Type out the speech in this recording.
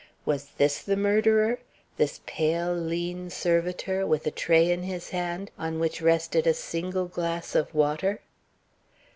Was this the murderer? This pale, lean servitor, with a tray in his hand on which rested a single glass of water?